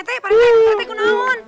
pak rt pak rt pak rt ku naun